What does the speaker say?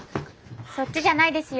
そっちじゃないですよ。